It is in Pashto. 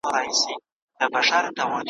تاریخ دي ماته افسانې ښکاري ,